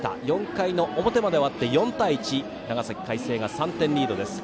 ４回表まで終わって、４対１長崎・海星が３点リードです。